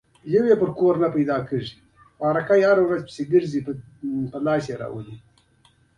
نورې معادلې هم کولای شئ توازن کړئ.